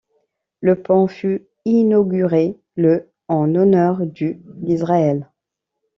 Le pont fut inauguré le en honneur du d'Israël.